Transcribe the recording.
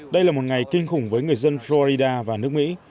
đây là một ngày kinh khủng với người dân florida và nước mỹ